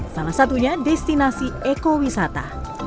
salah satunya destinasi ekowisata